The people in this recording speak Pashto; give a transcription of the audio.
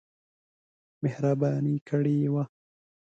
مهرباني کړې وه.